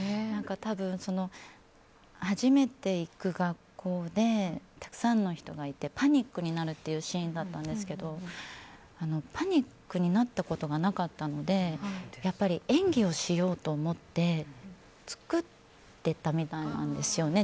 多分、初めて行く学校でたくさんの人がいてパニックになるっていうシーンだったんですけどパニックになったことがなかったので演技をしようと思って作ってたみたいなんですよね